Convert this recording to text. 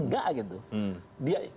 pada hal itu tidak